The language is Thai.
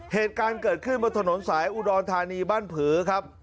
เหตุการณ์เกิดขึ้นบนถนนสายอุดรธานีบ้านผือครับ